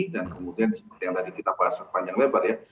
kemudian seperti yang tadi kita bahas sepanjang lebar ya